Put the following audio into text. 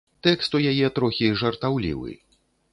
Тэкст у яе трохі жартаўлівы.